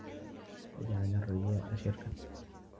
فَجَعَلَ الرِّيَاءَ شِرْكًا